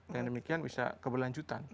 dengan demikian bisa keberlanjutan